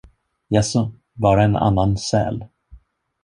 Jaså, bara en annan säl.